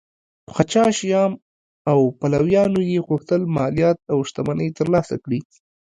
پاچا شیام او پلویانو یې غوښتل مالیات او شتمنۍ ترلاسه کړي